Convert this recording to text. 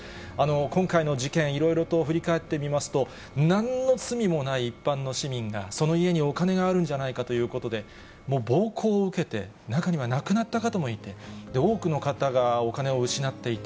今回の事件、いろいろと振り返ってみますと、なんの罪もない一般の市民が、その家にお金があるんじゃないかということで、暴行を受けて、中には亡くなった方もいて、多くの方がお金を失っていた。